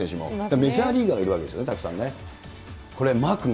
メジャーリーガー、いるわけですよね、たくさんね。